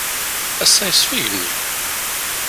Ass-a yesfa Igenni.